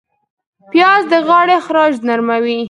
پیاز د غاړې خراش نرموي